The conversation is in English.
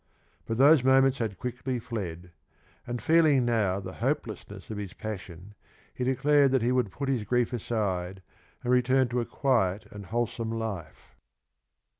But those moments had quickly fled, and, feeling now the hopelessness of his passion, he declared that he would put his grief aside, and return to a quiet and wholesome life.